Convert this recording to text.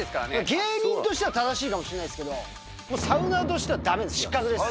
芸人としては正しいかもしれないですけど、もうサウナーとしてはだめですよ、失格です。